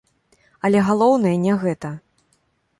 Але галоўнае не гэта.